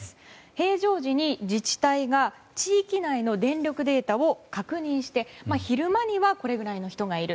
平常時に自治体が地域内の電力データを確認して昼間にはこれぐらいの人がいる。